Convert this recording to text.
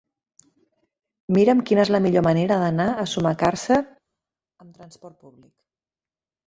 Mira'm quina és la millor manera d'anar a Sumacàrcer amb transport públic.